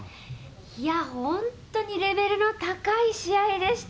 いやー、本当にレベルの高い試合でした。